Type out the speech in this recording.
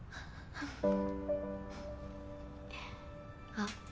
あっ。